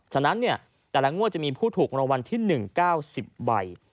ฉะนั้นแต่ละงวดจะมีผู้ถูกรางวัลที่๑๙๐ใบ